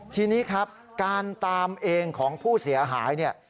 ทีนี้ครับการตามเองของผู้เสียหายเนี่ย